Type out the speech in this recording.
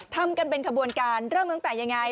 ทำกันเป็นขบวนการเริ่มตั้งแต่ยังไง